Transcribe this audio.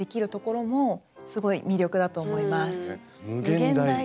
無限大。